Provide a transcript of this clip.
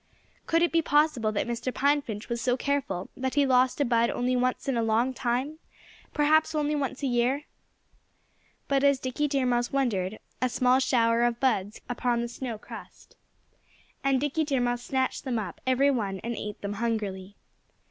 Could it be possible that Mr. Pine Finch was so careful that he lost a bud only once in a long time perhaps only once a year? But as Dickie Deer Mouse wondered, a small shower of buds came rattling down upon the snow crust. And Dickie Deer Mouse snatched them up, every one, and ate them hungrily.